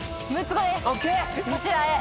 こちらへ。